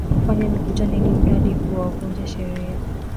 kufanya mikutano ili mradi hawavuji sheria